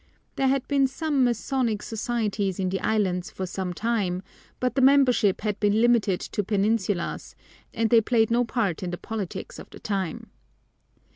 There had been some masonic societies in the islands for some time, but the membership had been limited to Peninsulars, and they played no part in the politics of the time.